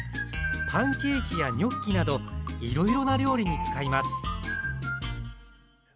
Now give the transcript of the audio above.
パンケーキやニョッキなどいろいろな料理に使います